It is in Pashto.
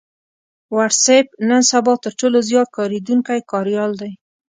وټس اېپ نن سبا تر ټولو زيات کارېدونکی کاريال دی